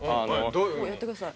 おっやってください。